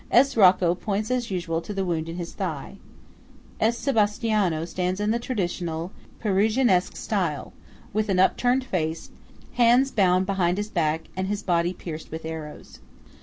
S. Rocco points as usual to the wound in his thigh. S. Sebastiano stands in the traditional Peruginesque attitude, with upturned face, hands bound behind his back, and his body pierced with arrows.